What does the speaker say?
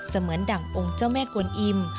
เหมือนดั่งองค์เจ้าแม่กวนอิ่ม